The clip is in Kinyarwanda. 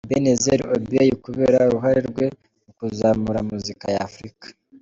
Ebenezer Obey, kubera uruhare rwe mu kuzamura muzika ya Africa.